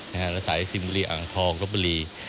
และสายซิมบุรีอ่างทองลบบุรี